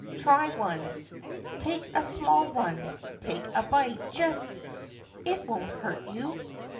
Try one ! Take a small one! Take a bite, just! It won't hurt you.